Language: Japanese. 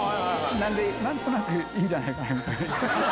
なんで、なんとなくいいんじゃないかなと。